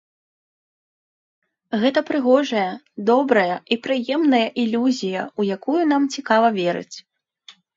Гэта прыгожая, добрая і прыемная ілюзія, у якую нам цікава верыць.